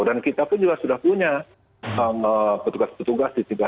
dan kita pun juga sudah punya petugas petugas di tempat